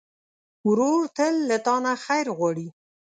ورور تل له تا نه خیر غواړي.